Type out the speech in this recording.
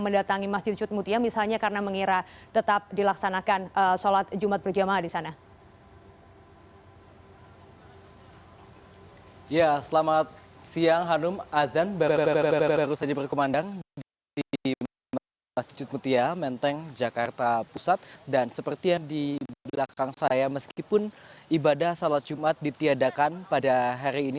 dan seperti yang di belakang saya meskipun ibadah sholat jumat ditiadakan pada hari ini